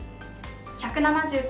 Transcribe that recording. １７９